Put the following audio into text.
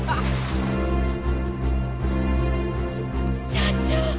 社長！